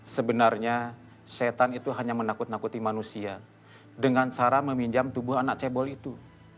sebenarnya setan itu hanya menakut nakuti manusia dengan cara meminjam tubuh anak cebol itu